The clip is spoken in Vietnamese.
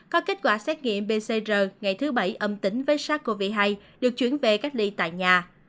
có kết quả xét nghiệm pcr ngày thứ bảy âm tính với sars cov hai được chuyển về cách ly tại nhà